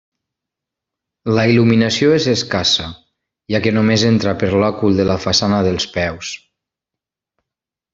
La il·luminació és escassa, ja que només entra per l'òcul de la façana dels peus.